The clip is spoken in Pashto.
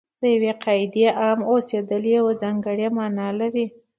د یوې قاعدې عام اوسېدل یوه ځانګړې معنا لري.